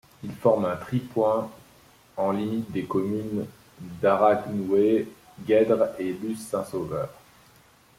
Il forme un tripoint en limite des communes d'Aragnouet, Gèdre et Luz-Saint-Sauveur.